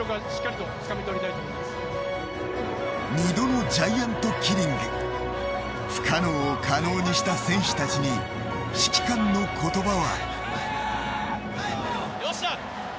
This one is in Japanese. ２度のジャイアントキリング不可能を可能にした選手たちに指揮官の言葉は。